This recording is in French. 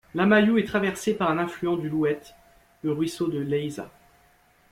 Lamayou est traversée par un affluent du Louet, le ruisseau de Layza.